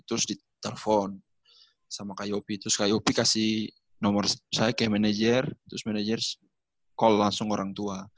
terus ditelepon sama kak yopi terus kak yopi kasih nomor saya ke manajer terus manajer call langsung orang tua